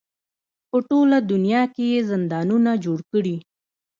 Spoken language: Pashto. په ټوله دنیا کې یې زندانونه جوړ کړي.